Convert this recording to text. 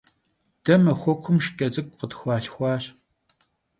De maxuekum şşç'e ts'ık'u khıtxualhxuaş.